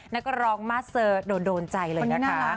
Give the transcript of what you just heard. นักร้องมาเซอร์โดนใจเลยนะคะ